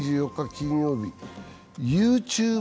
金曜日ＹｏｕＴｕｂｅ